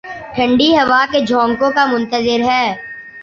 ٹھنڈی ہوا کے جھونکوں کا منتظر ہے